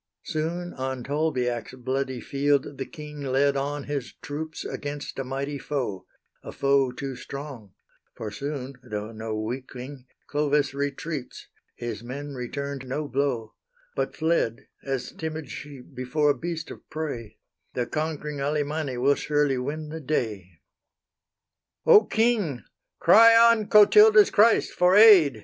Soon on Tolbiac's bloody field the king Led on his troops against a mighty foe; A foe too strong; for soon, though no weakling, Clovis retreats his men returned no blow; But fled as timid sheep before a beast of prey; The conquering Alemanni will surely win the day. "O king! cry on Clotilda's Christ for aid!"